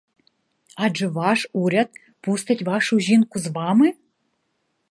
Адже ваш уряд пустить вашу жінку з вами?